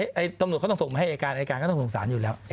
ก็ตำหนดเขาต้องส่งมาให้เอกสารเอกสารก็ต้องส่งสารอยู่แล้ว